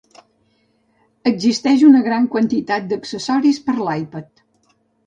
Existeix una gran quantitat d'accessoris per a l'iPod.